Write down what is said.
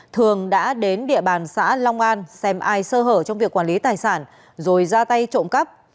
thường đã đến địa bàn xã long an xem ai sơ hở trong việc quản lý tài sản rồi ra tay trộm cắp